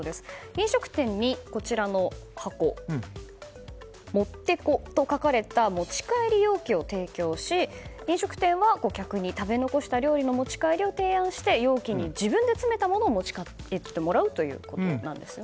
飲食店に、こちらの箱ｍｏｔｔＥＣＯと書かれた持ち帰り容器を提供し、飲食店は客に食べ残した料理の持ち帰りを提案して容器に自分で詰めたものを持ち帰ってもらうということです。